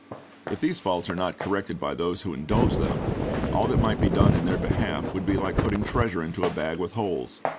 If these faults are not corrected by those who indulge them, all that might be done in their behalf would be like putting treasure into a bag with holes.